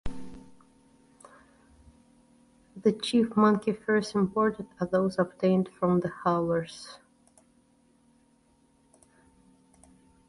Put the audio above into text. The chief monkey-furs imported are those obtained from the howlers.